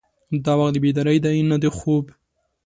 دا وخت د بیدارۍ دی نه د خوب.